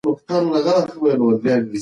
زه ژر پاڅېدم او ځان مې چمتو کړ.